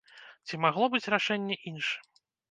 Ці магло быць рашэнне іншым?